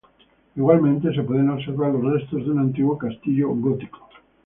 Igualmente se pueden observar los restos de un antiguo castillo gótico.